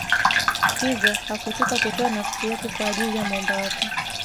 hivyo hakusita kutoa nafsi yake kwa ajili ya muumba wake